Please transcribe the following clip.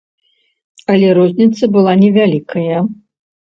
Але розніца была невялікая.